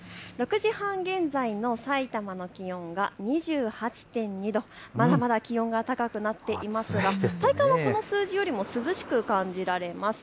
６時半現在のさいたまの気温が２８．２度、まだまだ気温が高くなっていますが、体感はこの数字よりも涼しく感じられます。